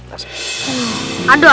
aduh aduh aduh